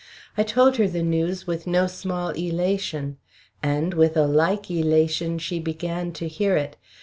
I told her the news with no small elation, and with a like elation she began to hear it.